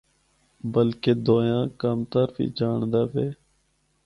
بلکہ دوئیاں کم تر وی جانڑدا وے۔